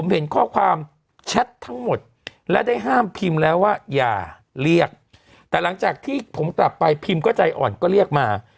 ผมเห็นข้อความแชททั้งหมดและได้ห้ามพิมพ์แล้วว่าอย่าเรียกแต่หลังจากที่ผมกลับไปพิมพ์ก็ใจอ่อนก็เรียกมา